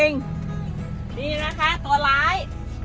นี่นะคะตัวร้าย